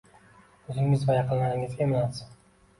Oʻzingiz va yaqinlaringiz emlansin.